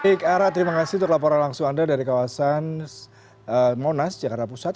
baik ara terima kasih untuk laporan langsung anda dari kawasan monas jakarta pusat